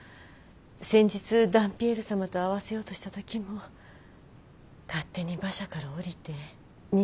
先日ダンピエール様と会わせようとした時も勝手に馬車から降りて逃げ帰ってきてしまって。